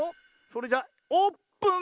それじゃオープン！